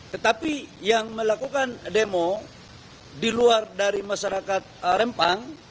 tetapi yang melakukan demo di luar dari masyarakat rempang